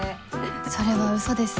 それはウソです